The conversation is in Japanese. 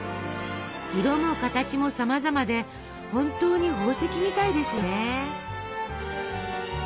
色も形もさまざまで本当に宝石みたいですよね！